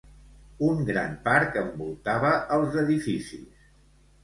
Un gran parc envoltava els edificis.